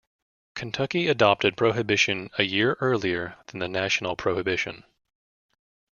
Kentucky adopted prohibition a year earlier than the national prohibition.